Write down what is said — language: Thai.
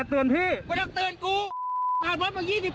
อ๋อตื่นก็ไม่ได้